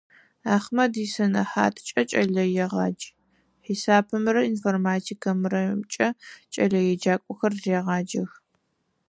Ахьмэд исэнэхьаткӀэ кӀэлэегъадж, хьисапымрэ информатикэмрэкӀэ кӀэлэеджакӀохэр регъаджэх.